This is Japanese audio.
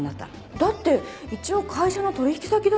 だって一応会社の取引先だし。